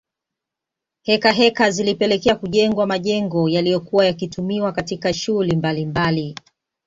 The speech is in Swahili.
Heka heka zilipelekea kujengwa majengo yaliyokuwa yakitumiwa katika shughuli mbalimbali